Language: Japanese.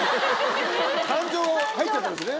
感情が入っちゃったんですね。